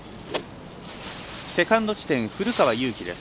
セカンド地点、古川雄大です。